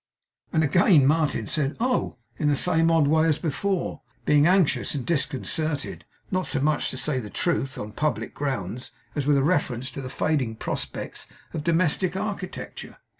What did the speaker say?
And again Martin said 'Oh!' in the same odd way as before, being anxious and disconcerted; not so much, to say the truth, on public grounds, as with reference to the fading prospects of domestic architecture.